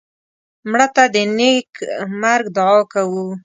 مړه ته د نیک مرګ دعا کوو